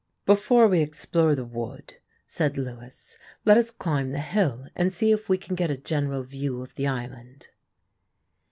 "Before we explore the wood," said Lewis, "let us climb the hill and see if we can get a general view of the island."